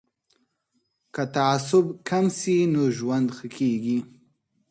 که تعصب کم سي نو ژوند ښه کیږي.